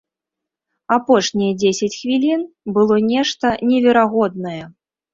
Апошнія дзесяць хвілін было нешта неверагоднае.